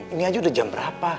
ini aja udah jam berapa